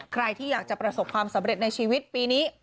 ใครที่อยากจะประสบความสำเร็จในชีวิตปีนี้